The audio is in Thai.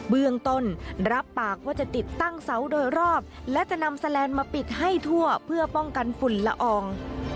เบื้องต้นรับปากว่าจะติดตั้งเสาโดยรอบและจะนำแลนด์มาปิดให้ทั่วเพื่อป้องกันฝุ่นละออง